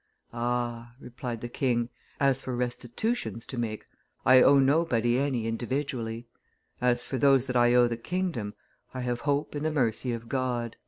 "Ah!" replied the king, "as for restitutions to make, I owe nobody any individually; as for those that I owe the kingdom, I have hope in the mercy of God."